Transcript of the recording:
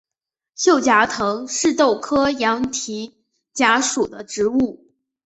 锈荚藤是豆科羊蹄甲属的植物。